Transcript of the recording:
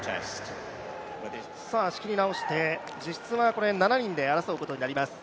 仕切り直して、実質は７人で争うことになります。